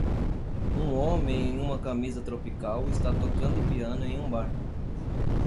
Um homem em uma camisa tropical está tocando piano em um bar.